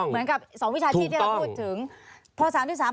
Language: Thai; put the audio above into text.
เหมือนกับ๒วิชาชีที่เราพูดถึง